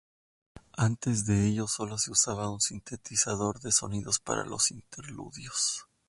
Antes de ello sólo se usaba un sintetizador de sonidos para los interludios.